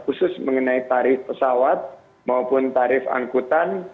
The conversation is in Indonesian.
khusus mengenai tarif pesawat maupun tarif angkutan